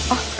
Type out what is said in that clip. oh ibu rumi